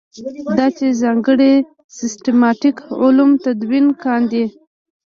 دا چې ځانګړي سیسټماټیک علوم تدوین کاندي.